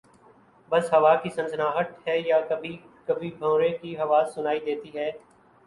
بس ہوا کی سنسناہٹ ہے یا کبھی کبھی بھنورے کی آواز سنائی دیتی ہے